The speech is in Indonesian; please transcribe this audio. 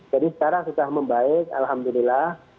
jadi sekarang sudah membaik alhamdulillah